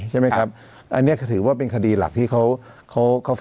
ใช่ไหมครับครับอันเนี้ยถือว่าเป็นคดีหลักที่เขาเขาเขา